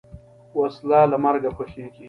وسله له مرګه خوښیږي